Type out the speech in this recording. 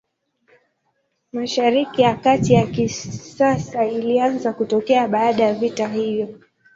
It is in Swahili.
Mashariki ya Kati ya kisasa ilianza kutokea baada ya vita hiyo.